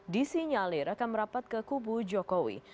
disinyalir akan merapat ke kubu jokowi